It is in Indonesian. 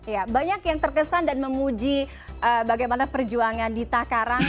ya banyak yang terkesan dan memuji bagaimana perjuangan dita karang